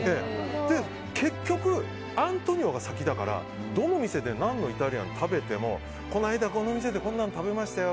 結局、アントニオが先だからどの店で何のイタリアンを食べてもこの間、この店でこんなの食べましたよ。